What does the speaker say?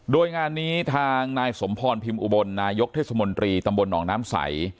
โดยงานนี้ทางนายสมพรพิมพ์อุบลนายกเทศมนตรีตำบลหนองน้ำใส